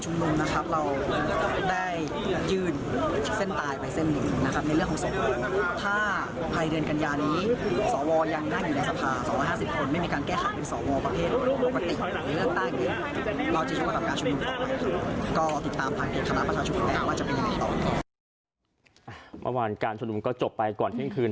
เมื่อวานการชุมนุมก็จบไปก่อนเที่ยงคืน